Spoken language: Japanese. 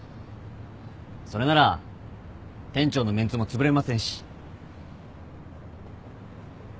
それなら店長のメンツもつぶれませんし。